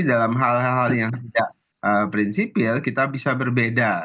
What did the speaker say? dalam hal hal yang tidak prinsipil kita bisa berbeda